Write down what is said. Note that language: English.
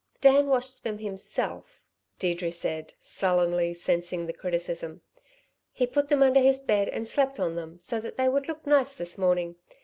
"Dan washed them himself," Deirdre said, sullenly sensing the criticism. "He put them under his bed and slept on them so that they would look nice this morning.